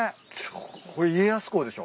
これ家康公でしょ？